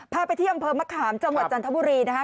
พาไปที่อำเภอมะขามจังหวัดจันทบุรีนะคะ